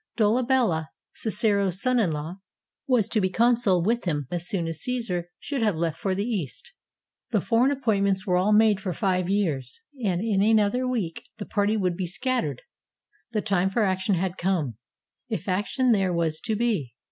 Dolabella, Cicero's son in law, was to be consul with him as soon as Caesar should have left for the East. The foreign appointments were all made for five years, and in another week the party would be scat tered. The time for action had come, if action there was to be.